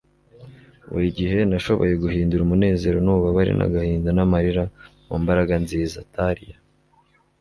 buri gihe nashoboye guhindura umunezero n'ububabare n'agahinda n'amarira mu mbaraga nziza. - thaliya